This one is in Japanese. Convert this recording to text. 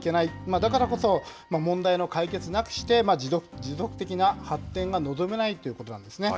だからこそ、問題の解決なくして、持続的な発展が望めないということなんですね。